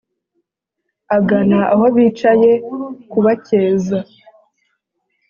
Agana aho bicaye kubakeza